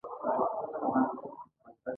هنرمن باید د بل حق ونه خوري